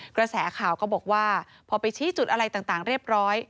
กระแสข่าวก็บอกว่าพอไปชี้จุดอะไรต่างเรียบร้อย